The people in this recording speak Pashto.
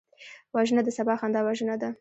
وژنه د سبا خندا وژنه ده